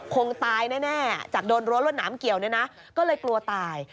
คงตายแน่จากโดนรั้วรวดหนามเกี่ยวเนี่ยนะก็เลยกลัวตาย